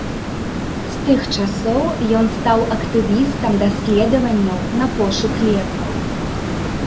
З тых часоў ён стаў актывістам даследаванняў на пошук лекаў.